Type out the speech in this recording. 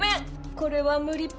これは無理ぽ。